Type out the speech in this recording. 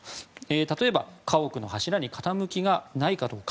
例えば、家屋の柱に傾きがないかどうか。